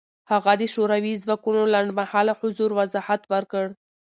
هغه د شوروي ځواکونو لنډمهاله حضور وضاحت ورکړ.